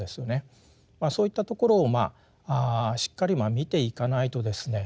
そういったところをまあしっかり見ていかないとですね